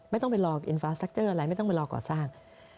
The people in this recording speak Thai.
ไม่ต้องไปรออินฟ้าซักเจอร์อะไรไม่ต้องไปรอก่อสร้าง